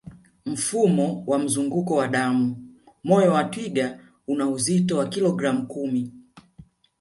Mfumo wa mzunguko wa damu moyo wa twiga una uzito wa kilogramu kumi